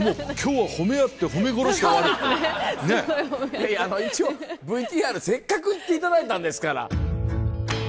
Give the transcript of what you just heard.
いやいや一応ＶＴＲせっかく行っていただいたんですから。